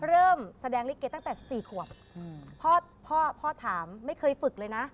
เริ่มแสดงลิเกตั้งแต่สี่ขวบพ่อพ่อถามไม่เคยฝึกเลยนะ